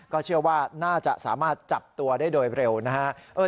เชื่อว่าน่าจะสามารถจับตัวได้โดยเร็วนะฮะ